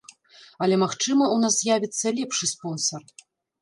Але, магчыма, у нас з'явіцца лепшы спонсар.